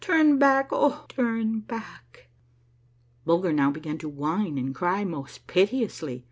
Turn back ! Oh, turn back !" Bulger now began to whine and cry most piteously.